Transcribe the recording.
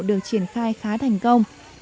được triển khai khá thành công